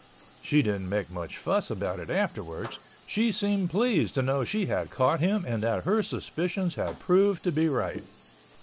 She didn't make much fuss about it afterwards. She seemed pleased to know she had caught him and that her suspicions had proved to be right.